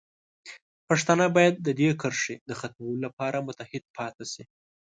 پښتانه باید د دې کرښې د ختمولو لپاره متحد پاتې شي.